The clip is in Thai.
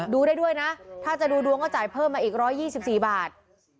ดูได้ด้วยนะถ้าจะดูดวงก็จ่ายเพิ่มมาอีก๑๒๔บาท